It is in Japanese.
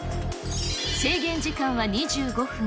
制限時間は２５分。